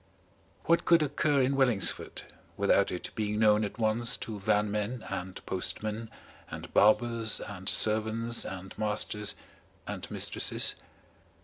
What could occur in Wellingsford without it being known at once to vanmen and postmen and barbers and servants and masters and mistresses?